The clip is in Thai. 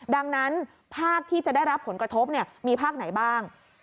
ดังนั้นภาคที่จะได้รับผลกระทบมีภาคไหนบ้าง